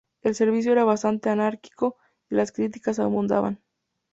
El servicio era bastante anárquico y las críticas abundaban.